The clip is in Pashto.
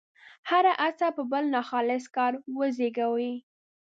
هره هڅه به بل ناخالص کار وزېږوي.